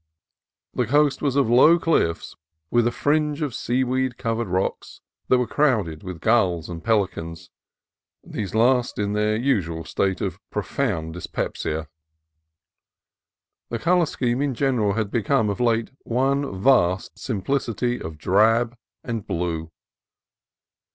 The coast was of low cliffs with a fringe of seaweed covered rocks that were crowded with gulls and pelicans, these last in their usual state of profound dyspepsia. The color scheme in general had become of late one vast simplicity of drab and blue.